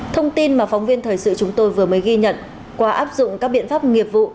thông tin mà phóng viên thời sự chúng tôi vừa mới ghi nhận qua áp dụng các biện pháp nghiệp vụ